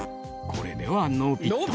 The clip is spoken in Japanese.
［これでは］